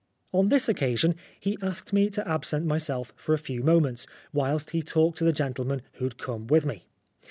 On this occasion he asked me to absent myself for a few moments, whilst he talked to the gentleman who had come with me.